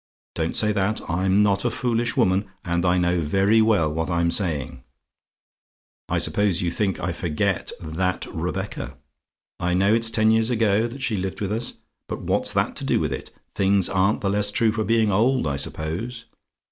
Don't say that. I'm not a foolish woman, and I know very well what I'm saying. I suppose you think I forget THAT Rebecca? I know it's ten years ago that she lived with us but what's that to do with it? Things aren't the less true for being old, I suppose.